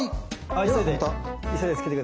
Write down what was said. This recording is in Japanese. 急いで急いでつけて下さい。